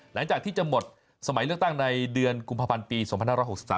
หลังจากที่จะหมดสมัยเลือกตั้งในเดือนกุมภาพันธ์ปีสองพันห้าร้อยหกสิบสาม